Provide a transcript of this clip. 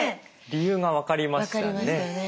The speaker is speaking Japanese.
理由が分かりましたね。